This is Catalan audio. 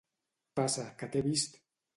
Passa, que t'he vist!